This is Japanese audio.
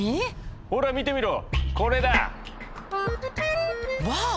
ほら見てみろこれだ！ワオ！